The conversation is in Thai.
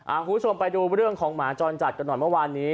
คุณผู้ชมไปดูเรื่องของหมาจรจัดกันหน่อยเมื่อวานนี้